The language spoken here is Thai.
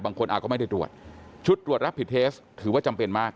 บางคนก็ไม่ได้ตรวจชุดตรวจรับผิดเทสถือว่าจำเป็นมาก